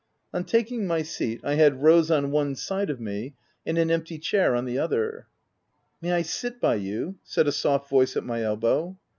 On taking my seat, I had Rose on one side of me, and an empty chair on the other. u May I sit by you ?" said a soft voice at my elbow.